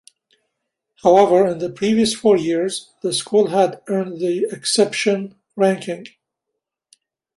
However, in the previous four years, the school had earned the "Exception Ranking".